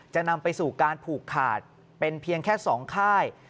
จะนำไปสู่การผูกขาดเป็นเพียงแค่๒ค่าย